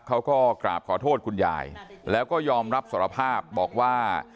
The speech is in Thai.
เขาก็กราบขอโทษคุณยายแล้วก็ยอมรับสารภาพบอกว่า